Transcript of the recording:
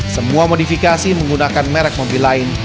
semua modifikasi menggunakan merek mobil lain